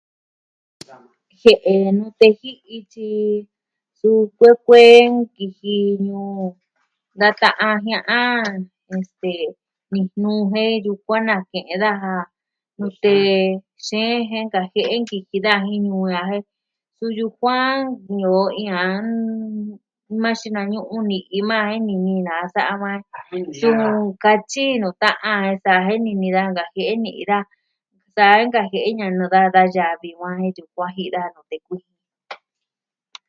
Jie'e nute ji'i tyi, suu kuee kuee kiji ñuu on. Da ta'an jia'an, este... Nijnuu jen yukuan nake'en daja nute xeen jen nkajie'e nkiji daa jen nuu a jen. Su yukuan nee o iin an.... na xinañu'u ni'i maa jen ñɨñɨ na'a sama jen tyuu katyi nuu ta'an sa jen nini daa nkajie'e ni daa. Sa nkajie'e ña'nu daa da yavi va jen yukuan ji'i daa nute kuijin.